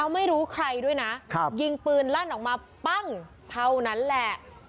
ไม่รู้ใครด้วยนะยิงปืนลั่นออกมาปั้งเท่านั้นแหละ